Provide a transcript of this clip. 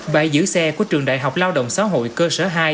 bãi giữ xe của trường đại học lao động xã hội cơ sở hai